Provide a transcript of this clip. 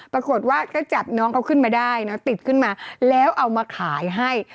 ปรากฏว่าก็จับน้องเขาขึ้นมาได้นะติดขึ้นมาแล้วเอามาขายให้